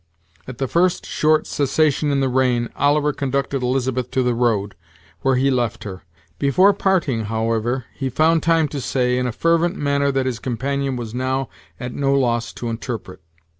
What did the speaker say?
At the first short cessation in the rain, Oliver conducted Elizabeth to the road, where he left her. Before parting, however, he found time to say, in a fervent manner that his companion was now at no loss to interpret.